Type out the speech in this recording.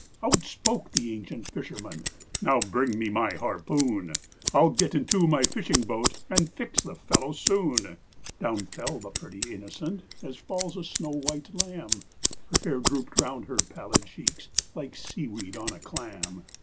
Out spoke the ancient fisherman, "Now bring me my harpoon! I'll get into my fishing boat, and fix the fellow soon." Down fell that pretty innocent, as falls a snow white lamb, Her hair drooped round her pallid cheeks, like sea weed on a clam.